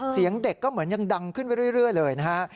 เสียงเด็กก็เหมือนยังดังขึ้นไปเรื่อยเลยนะฮะ